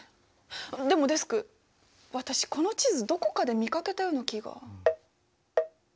でもデスク私この地図どこかで見かけたような気が。